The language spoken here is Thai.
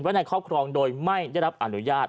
ในครอบครองโดยไม่ได้รับอนุญาต